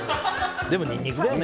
でもニンニクだよね。